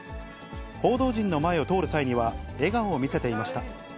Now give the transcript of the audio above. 報道陣の前を通る際には、笑顔を見せていました。